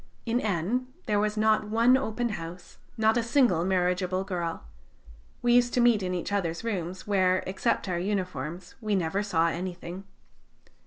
In N there was not one open house, not a single marriageable girl. We used to meet in each other's rooms, where, except our uniforms, we never saw anything.